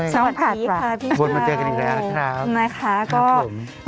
สวัสดีค่ะพี่เกลาบวชมาเจอกันอีกแล้วนะครับนะคะก็ครับผม